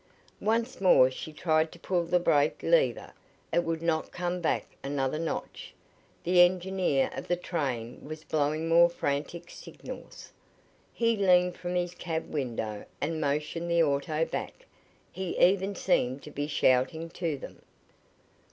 Once more she tried to pull the brake lever. It would not come back another notch. The engineer of the train was blowing more frantic signals. He leaned from his cab window and motioned the auto back. He even seemed to be shouting to them.